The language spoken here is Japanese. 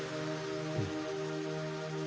うん。